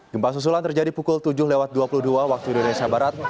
gempa susulan terjadi pukul tujuh lewat dua puluh dua waktu indonesia barat